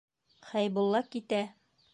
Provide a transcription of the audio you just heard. Хәйбулла китә.